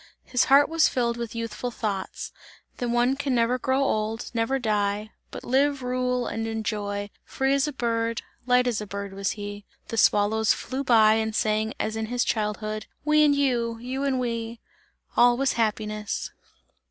His heart was filled with youthful thoughts; that one can never grow old, never die; but live, rule and enjoy; free as a bird, light as a bird was he. The swallows flew by and sang as in his childhood: "We and you, and You and we!" All was happiness.